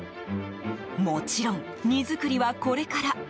もちろん、荷造りはこれから。